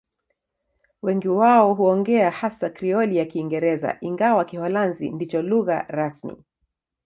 Wengi wao huongea hasa Krioli ya Kiingereza, ingawa Kiholanzi ndicho lugha rasmi.